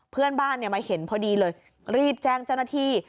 เพื่อนบ้านมาเห็นพอดีเลยรีบแจ้งเจ้าหน้าที่